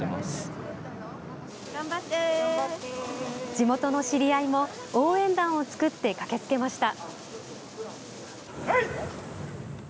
地元の知り合いも応援団を作って駆けつけました。